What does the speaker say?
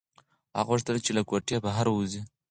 هغه غوښتل چې له کوټې بهر ووځي.